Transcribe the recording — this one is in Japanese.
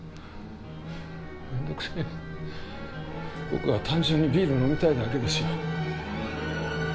僕は単純にビール飲みたいだけですよ。